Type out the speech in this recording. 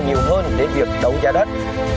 nhiều hơn đến việc đấu giá đất